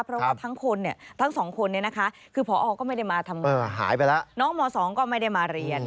เพราะว่าทั้งสองคนคือพอก็ไม่ได้มาทำงานน้องม๒ก็ไม่ได้มาเรียน